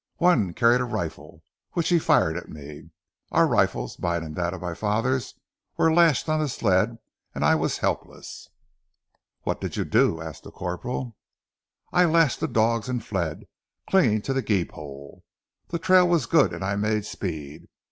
One carried a rifle which he fired at me. Our rifles, mine and that of my father, were lashed on the sled and I was helpless." "What did you do?" asked the corporal. "I lashed the dogs and fled, clinging to the gee pole. The trail was good and I made speed.